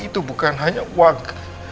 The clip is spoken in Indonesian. itu bukan hanya uang